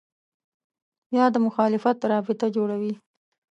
یا د مخالفت رابطه جوړوي